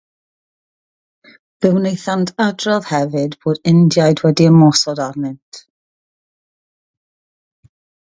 Fe wnaethant adrodd hefyd bod Indiaid wedi ymosod arnynt.